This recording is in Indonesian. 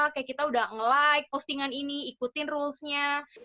kayak kita udah nge like postingan ini ikutin rulesnya